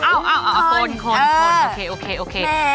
เอาคนโอเค